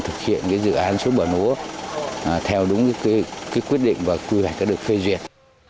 thực hiện dự án suối bà lúa theo đúng quyết định và quy hoạch đã được phê duyệt